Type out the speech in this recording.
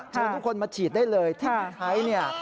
ขอบคุณพี่ไทยที่ขอบคุณพี่ไทย